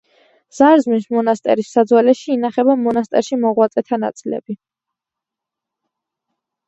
ზარზმის მონასტერის საძვალეში ინახება მონასტერში მოღვაწეთა ნაწილები.